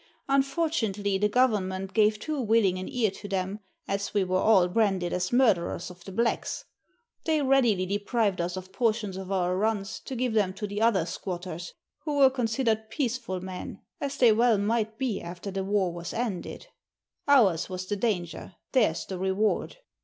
Unfortunately, the Government gave too willing an ear to them, as we were all branded as murderers of the blacks ; they readily deprived us of portions of our runs to give them to the other squatters, who were considered peaceful men, as they well might be after the war was ended. Ours was the danger, theirs the reward.